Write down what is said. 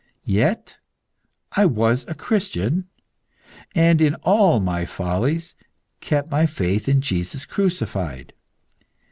Yet I was a Christian, and, in all my follies, kept my faith in Jesus crucified.